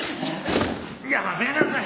やめなさい。